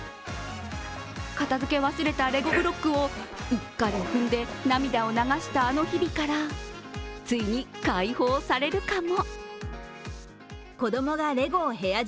片づけ忘れたレゴブロックをうっかり踏んで涙を流したあの日々から、ついに解放されるかも。